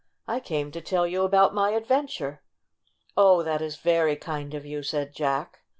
"I came to tell you about my adventure." "Oh, that is very kind of you," said Jack.